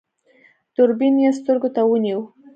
دوربين يې سترګو ته ونيو.